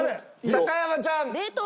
高山ちゃん。